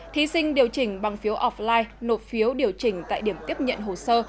thí sinh điều chỉnh bằng phiếu offline nộp phiếu điều chỉnh tại điểm tiếp nhận hồ sơ